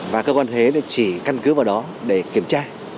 và cơ quan thuế chỉ căn cứ vào đó để kiểm tra